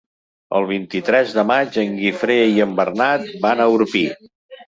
El vint-i-tres de maig en Guifré i en Bernat van a Orpí.